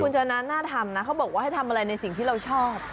คุณชนะน่าทำนะเขาบอกว่าให้ทำอะไรในสิ่งที่เราชอบ